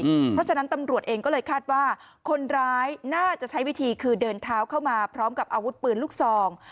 เพราะฉะนั้นตำรวจเองก็เลยคาดว่าคนร้ายน่าจะใช้วิธีคือเดินเท้าเข้ามาพร้อมกับอาวุธปืนลูกซอง